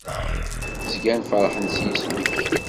Zgan ferḥen s yisem-ik.